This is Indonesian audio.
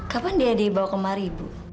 kapan dia dibawa kemari bu